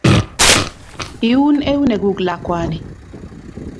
Iun enuneguk lakwani